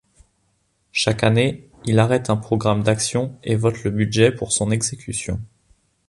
Chaque année, il arrête un programme d'actions et vote le budget pour son exécution.